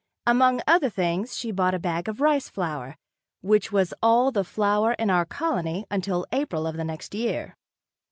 Among other things she bought a bag of rice flour which was all the flour in our colony until April of the next year.